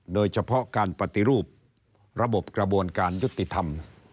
โดยเฉพาะการปฏิรูประบบกระบวนการยุติธรรม